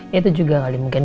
itu juga kali mungkin